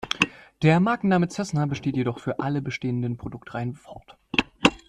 Der Markenname Cessna besteht jedoch für alle bestehenden Produktreihen fort.